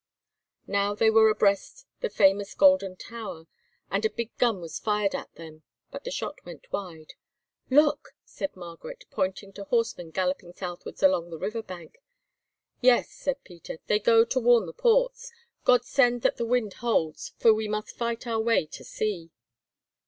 Now they were abreast the famous Golden Tower, and a big gun was fired at them; but the shot went wide. "Look!" said Margaret, pointing to horsemen galloping southwards along the river's bank. "Yes," said Peter, "they go to warn the ports. God send that the wind holds, for we must fight our way to sea."